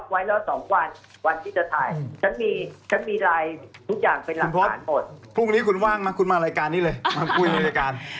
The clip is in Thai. เวลาบทของคุณแล้วเดี๋ยวพรุ่งนี้ถ้าคุณจะมาพูด